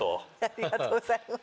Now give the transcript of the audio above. ありがとうございます。